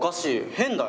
変だよ。